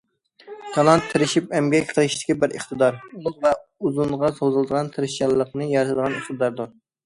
تالانت تىرىشىپ ئەمگەك قىلىشتىكى بىر ئىقتىدار، ئۇلۇغ ۋە ئۇزۇنغا سوزۇلىدىغان تىرىشچانلىقنى يارىتىدىغان ئىقتىداردۇر.